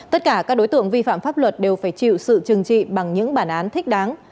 tất cả các đối tượng vi phạm pháp luật đều phải chịu sự trừng trị bằng những bản án thích đáng